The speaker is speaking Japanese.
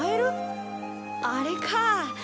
あれかあ。